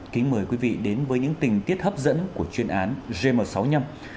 kính mời quý vị đến với những tình tiết hấp dẫn của chuyên án gm sáu mươi năm